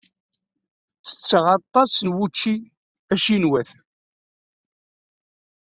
Ttetteɣ aṭas n wučči acinwat.